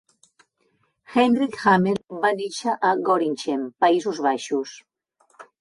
Hendrick Hamel va néixer a Gorinchem, Països Baixos.